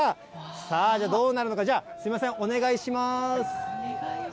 さあ、じゃあ、どうなるのか、すみません、お願いします。